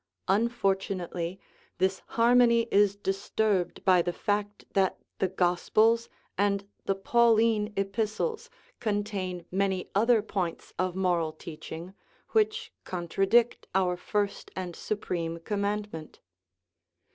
Unfortunately this harmony is disturbed by the fact that the gospels and the Paul me epistles contain many other points of moral teach ing, which contradict our first and supreme command ment.